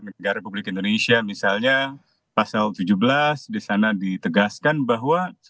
negara republik indonesia misalnya pasal tujuh belas di sana ditegaskan bahwa